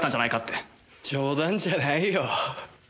冗談じゃないよ。